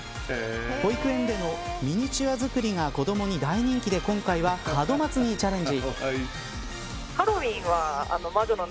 保育園でのミニチュアづくりが子どもに大人気で今回は、門松にチャレンジ。